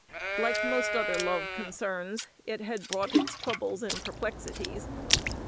Like most other love concerns, it had brought its troubles and perplexities.